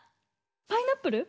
パイナップル？